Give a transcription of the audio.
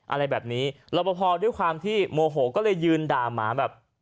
อะไรแบบนี้รับประพอด้วยความที่โมโหก็เลยยืนด่าหมาแบบ